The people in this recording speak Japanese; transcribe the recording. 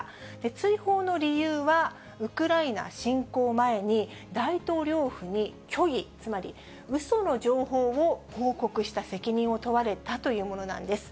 追放の理由はウクライナ侵攻前に、大統領府に虚偽、つまりうその情報を報告した責任を問われたというものなんです。